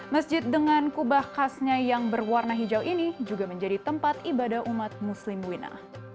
masjid dengan kubah khasnya yang berwarna hijau ini juga menjadi tempat ibadah umat muslim wina